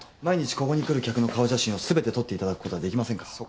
毎日ここに来る客の顔写真を全て撮っていただくことはできませんか？